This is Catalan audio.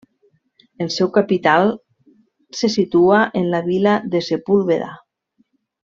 El seu capital se situa en la vila de Sepúlveda.